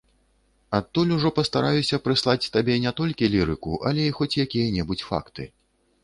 Адтуль ужо пастараюся прыслаць табе не толькі лірыку, але і хоць якія-небудзь факты.